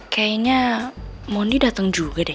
kayaknya mondi datang juga deh